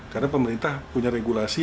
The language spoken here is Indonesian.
karena pemerintah punya regulasi